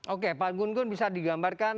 oke pak gun gun bisa digambarkan